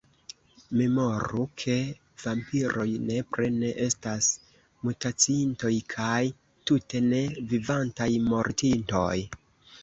Memoru, ke vampiroj nepre ne estas mutaciintoj, kaj, tute ne, vivantaj mortintoj.